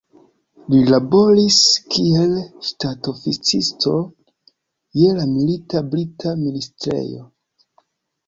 Li laboris, kiel ŝtatoficisto je la milita brita ministrejo.